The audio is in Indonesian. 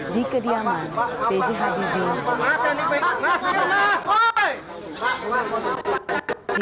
di kediaman bgh di